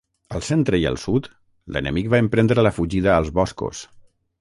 Al centre i el sud, l'enemic va emprendre la fugida als boscos.